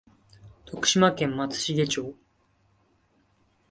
徳島県松茂町